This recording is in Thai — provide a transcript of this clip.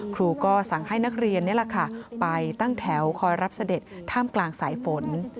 ครูก็สั่งให้นักเรียนนี่แหละค่ะไปตั้งแถวคอยรับเสด็จท่ามกลางสายฝน